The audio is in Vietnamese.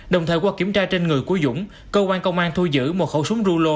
đồng thời qua kiểm tra trên người của dũng công an công an thu giữ một khẩu súng rưu lô